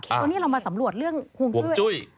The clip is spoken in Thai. ตอนนี้เรามาสำรวจเรื่องห่วงจุ้ย